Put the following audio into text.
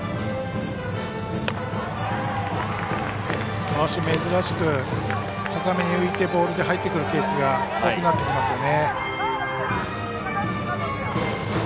少し珍しく高めに浮いたボールで入ってくるケースが多くなってきますよね。